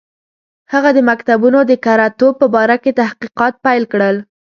هغه د مکتوبونو د کره توب په باره کې تحقیقات پیل کړل.